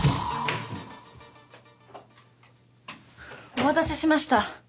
お待たせしました。